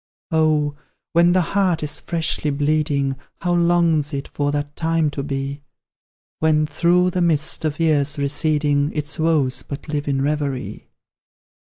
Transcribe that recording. Oh! when the heart is freshly bleeding, How longs it for that time to be, When, through the mist of years receding, Its woes but live in reverie!